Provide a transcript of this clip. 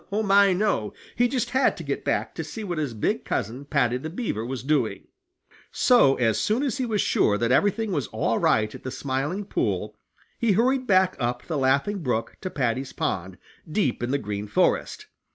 Oh, my, no! He just had to get back to see what his big cousin, Paddy the Beaver, was doing. So as soon as he was sure that everything was all right at the Smiling Pool he hurried back up the Laughing Brook to Paddy's pond, deep in the Green Forest.